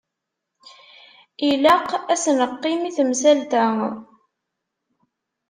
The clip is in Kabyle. Ilaq ad as-neqqim i temsalt-a.